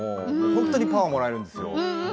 本当にパワーもらえるんですよ。